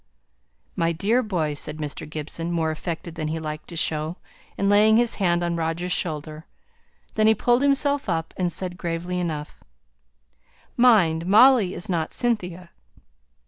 "My dear boy!" said Mr. Gibson, more affected than he liked to show, and laying his hand on Roger's shoulder. Then he pulled himself up, and said gravely enough, "Mind, Molly is not Cynthia.